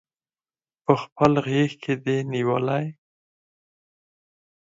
پخپل غیږ کې دی نیولي